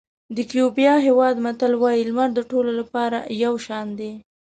د کیوبا هېواد متل وایي لمر د ټولو لپاره یو شان دی.